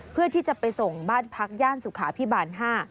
เพื่อที่จะไปส่งบ้านพักย่านสุขาพิบาล๕